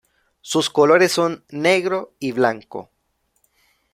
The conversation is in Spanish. Sus colores son negro y blanco.